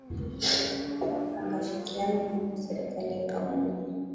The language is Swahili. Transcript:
wangafikiana kuunda serikali ya pamoja